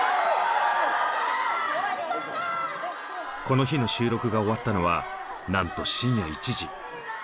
この日の収録が終わったのはなんと深夜１時。